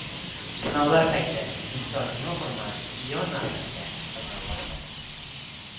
• Sinovlar payti inson yo hurmat, yo nafratga sazovor bo‘ladi.